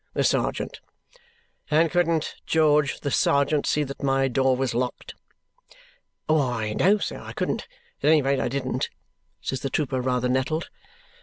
The sergeant." "And couldn't George, the sergeant, see that my door was locked?" "Why, no, sir, I couldn't. At any rate, I didn't," says the trooper, rather nettled.